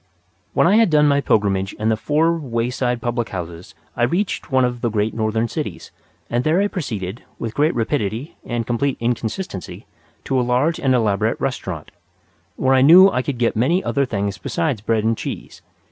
When I had done my pilgrimage in the four wayside public houses I reached one of the great northern cities, and there I proceeded, with great rapidity and complete inconsistency, to a large and elaborate restaurant, where I knew I could get many other things besides bread and cheese.